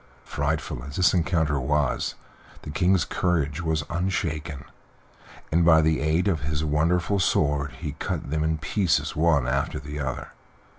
Frightful as this encounter was the King's courage was unshaken, and by the aid of his wonderful sword he cut them in pieces one after the other.